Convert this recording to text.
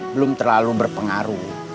belum terlalu berpengaruh